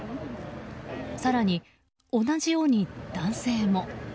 更に、同じように男性も。